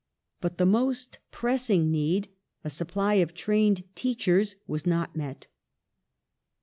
But the most pressing need, a supply of trained teachei s, was not met.